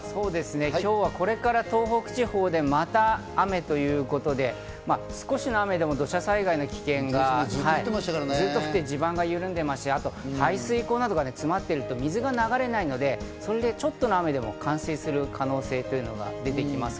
今日はこれから東北地方でまた雨ということで、少しの雨でも土砂災害や危険がずっと降っていて地盤が緩んでいますし、排水溝などが詰まっていると水が流れないので、ちょっとの雨でも冠水する可能性が出てきます。